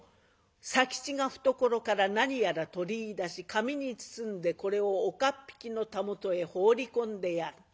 佐吉が懐から何やら取りいだし紙に包んでこれを岡っ引きのたもとへ放り込んでやる。